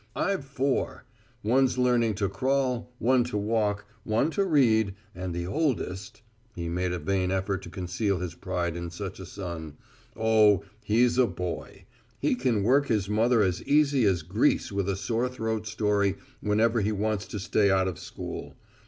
I've four; one's learning to crawl, one to walk, one to read and the oldest," he made a vain effort to conceal his pride in such a son, "Oh he's a boy. He can work his mother as easy as grease with a sore throat story whenever he wants to stay out of school.